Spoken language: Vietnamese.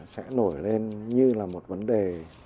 sẽ nổi lên như là một vấn đề